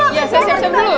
iya saya siap siap dulu